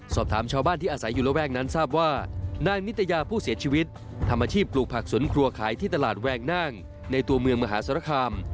สอบถามชาวบ้านที่อาศัยอยู่ระแวกนั้นทราบว่านางนิตยาผู้เสียชีวิตทำอาชีพปลูกผักสวนครัวขายที่ตลาดแวงนั่งในตัวเมืองมหาสารคาม